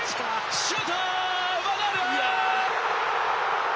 シュート！